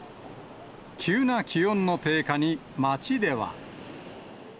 急な気温の低下に、街では。